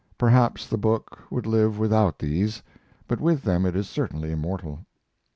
Perhaps the book would live without these, but with them it is certainly immortal.